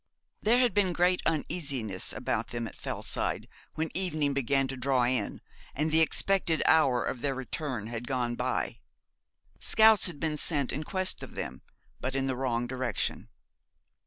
There had been great uneasiness about them at Fellside when evening began to draw in, and the expected hour of their return had gone by. Scouts had been sent in quest of them, but in the wrong direction.